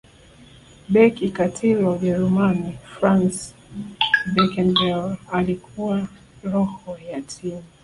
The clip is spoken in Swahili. beki katili wa ujerumani franz beckenbauer alikuwa roho ya timu